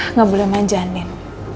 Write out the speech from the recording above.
nggak boleh manjanin